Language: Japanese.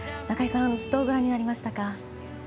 中井さんどうご覧になりましたか。